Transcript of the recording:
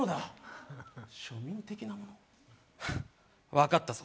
わかったぞ！